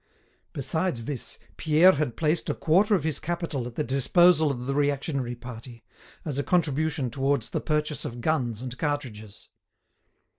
Besides this, Pierre had placed a quarter of his capital at the disposal of the reactionary party, as a contribution towards the purchase of guns and cartridges.